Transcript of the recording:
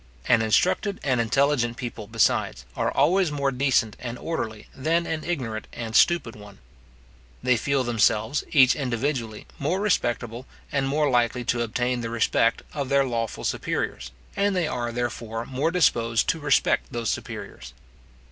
An instructed and intelligent people, besides, are always more decent and orderly than an ignorant and stupid one. They feel themselves, each individually, more respectable, and more likely to obtain the respect of their lawful superiors, and they are, therefore, more disposed to respect those superiors.